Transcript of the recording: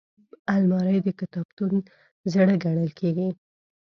الماري د کتابتون زړه ګڼل کېږي